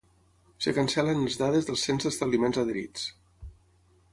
Es cancel·len les dades del cens d'establiments adherits.